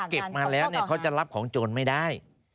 เขาเก็บมาแล้วเนี่ยเขาจะรับของโจรไม่ได้